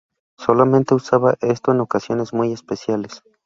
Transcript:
Solamente usaba esto en ocasiones muy especiales.